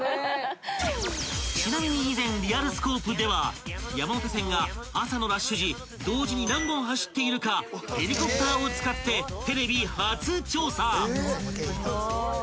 ［ちなみに以前『リアルスコープ』では山手線が朝のラッシュ時同時に何本走っているかヘリコプターを使ってテレビ初調査］